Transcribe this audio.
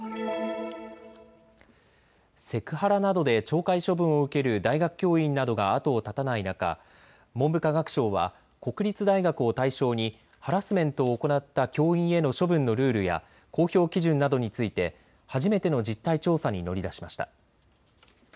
セクハラなどで懲戒処分を受ける大学教員などが後を絶たない中、文部科学省は国立大学を対象にハラスメントを行った教員への処分のルールや公表基準などについて初めての実態調査に乗り出しました。